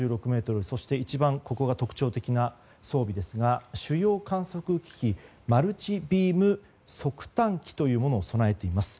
ここが一番特徴的な装備ですが、主要観測機器マルチビーム測探機というものを備えています。